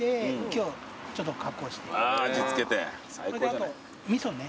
あと味噌ね。